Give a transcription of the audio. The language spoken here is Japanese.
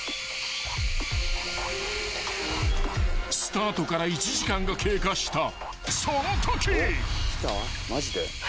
［スタートから１時間が経過した］